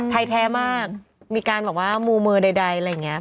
แท้มากมีการแบบว่ามูมือใดอะไรอย่างนี้